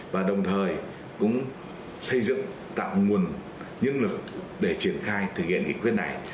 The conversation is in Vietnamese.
và đồng thời cũng xây dựng tạo nguồn nhân lực để triển khai thực hiện nghị quyết này